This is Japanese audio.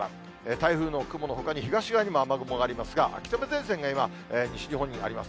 台風の雲のほかに、東側にも雨雲がありますが、秋雨前線が今、西日本にはあります。